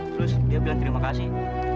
terus dia bilang terima kasih